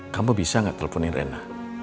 kamu bisa gak telponin rena